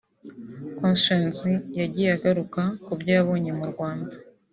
Konshens yagiye agaruka ku byo yabonye mu Rwanda